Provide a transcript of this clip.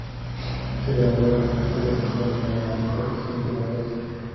Se graduó de la escuela secundaria como la mejor estudiante de su clase.